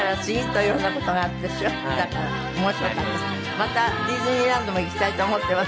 またディズニーランドも行きたいと思ってます？